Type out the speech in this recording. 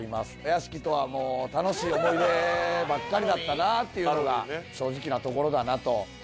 屋敷とはもう楽しい思い出ばっかりだったなっていうのが正直なところだなと。